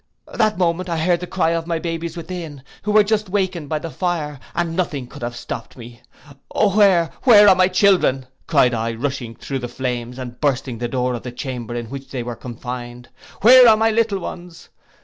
'—That moment I heard the cry of the babes within, who were just awaked by the fire, and nothing could have stopped me. 'Where, where, are my children?' cried I, rushing through the flames, and bursting the door of the chamber in which they were confined, 'Where are my little ones?